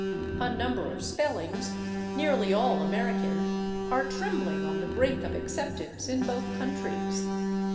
A number of spellings, nearly all American, are trembling on the brink of acceptance in both countries.